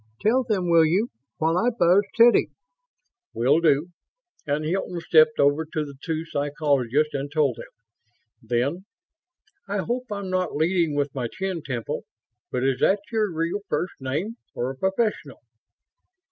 Tell them, will you, while I buzz Teddy?" "Will do," and Hilton stepped over to the two psychologists and told them. Then, "I hope I'm not leading with my chin, Temple, but is that your real first name or a professional?"